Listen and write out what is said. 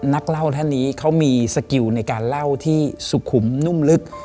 นักเล่าท่านนี้เขามีสกิลในการเล่าที่สุขุมนุ่มลึก